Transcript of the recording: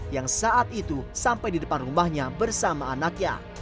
yang saat itu sampai di depan rumahnya bersama anaknya